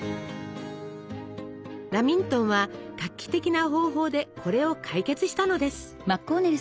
ラミントンは画期的な方法でこれを解決したのです。